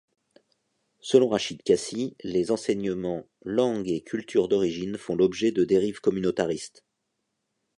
Selon Rachid Kaci, les Enseignement Langue et Culture d'origine font l'objet de dérives communautaristes.